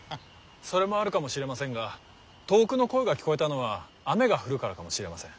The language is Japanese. それもあるかもしれませんが遠くの声が聞こえたのは雨が降るからかもしれません。